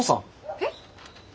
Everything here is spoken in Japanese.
えっ！？